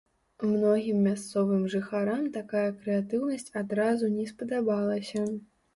Многім мясцовым жыхарам такая крэатыўнасць адразу не спадабалася.